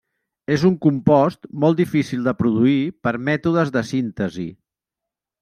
És un compost molt difícil de produir per mètodes de síntesi.